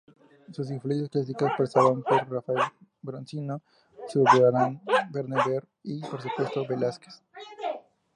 Sus influencias clásicas pasaban por Rafael, Bronzino, Zurbarán, Vermeer y, por supuesto, Velázquez.